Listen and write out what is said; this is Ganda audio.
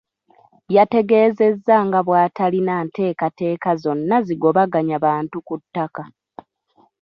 Yategeezezza nga bw’atalina nteekateeka zonna zigobaganya bantu ku ttaka.